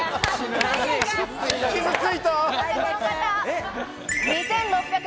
傷ついた。